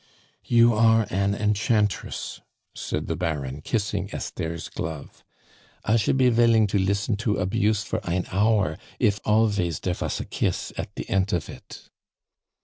"You are an enchantress," said the Baron, kissing Esther's glove. "I should be villing to listen to abuse for ein hour if alvays der vas a kiss at de ent of it."